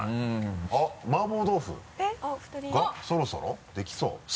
そろそろできそう？